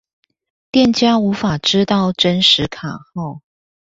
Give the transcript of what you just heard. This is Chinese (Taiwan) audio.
店家無法知道真實卡號